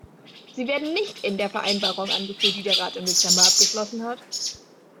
Sie werden nicht in der Vereinbarung angeführt, die der Rat im Dezember abgeschlossen hat.